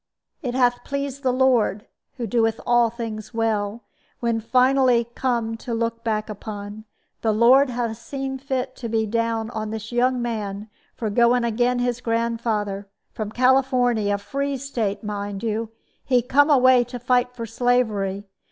"It hath pleased the Lord, who doeth all things well, when finally come to look back upon the Lord hath seen fit to be down on this young man for going agin his grandfather. From Californy a free State, mind you he come away to fight for slavery.